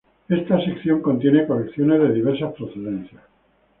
Esta sección contiene colecciones de diversas procedencias.